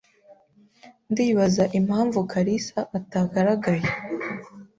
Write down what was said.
Ndibaza impamvu Kalisa atagaragaye.